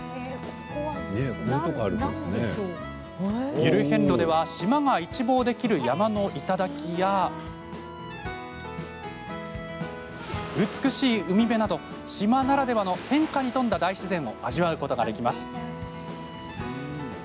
ゆる遍路では島が一望できる山の頂や美しい海辺など島ならではの変化に富んだ大自然を味わうことができます。